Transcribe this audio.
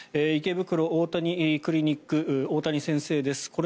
池袋大谷クリニック大谷先生です。